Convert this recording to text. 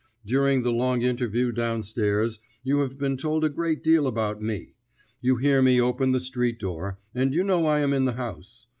During the long interview down stairs you have been told a great deal about me. You hear me open the street door, and you know I am in the house.